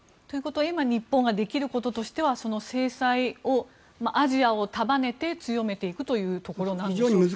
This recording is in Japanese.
ということは今日本ができることとしては制裁をアジアを束ねて強めていくということなんでしょうか。